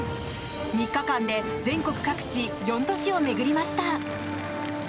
３日間で全国各地４都市を巡りました。